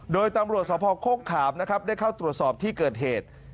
โดยตำรวจสภโคกขามนะครับได้เข้าตรวจสอบที่เกิดเหตุ